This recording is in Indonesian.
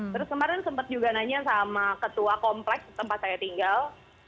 terus kemarin sempat juga nanya sama ketua kompleks tempat saya tinggal